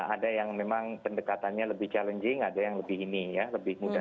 ada yang memang pendekatannya lebih challenging ada yang lebih ini ya lebih mudah